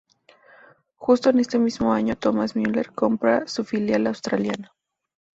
Justo en este mismo año, Thomas Muller compra su filial australiana.